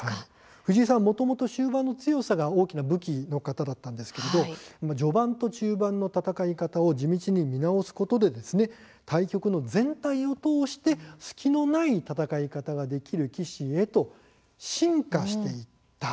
藤井さんはもともと終盤の強さが大きな武器だったんですけれども序盤と中盤の戦い方を地道に見直すことで対局の全体を通して隙のない戦い方ができる棋士へと進化していった。